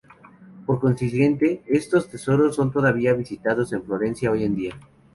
Por consiguiente, estos tesoros son todavía visitados en Florencia hoy en día.